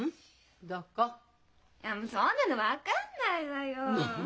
いやそんなの分かんないわよ。